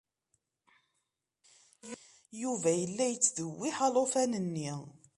Yuba yella yettdewwiḥ alufan-nni.